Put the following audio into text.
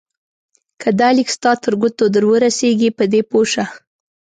که دا لیک ستا تر ګوتو درورسېږي په دې پوه شه.